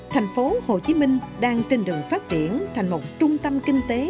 thành phố hồ chí minh đang trên đường phát triển thành một trung tâm kinh tế